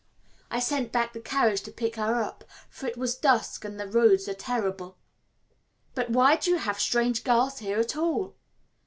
I sent back the carriage to pick her up, for it was dusk and the roads are terrible. "But why do you have strange girls here at all?"